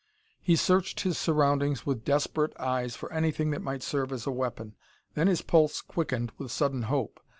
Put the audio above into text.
He searched his surroundings with desperate eyes for anything that might serve as a weapon. Then his pulse quickened with sudden hope.